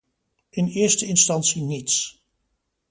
In eerste instantie niets.